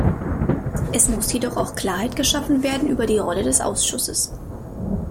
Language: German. Es muss jedoch auch Klarheit geschaffen werden über die Rolle des Ausschusses.